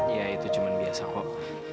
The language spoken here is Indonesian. ya itu cuma biasa kok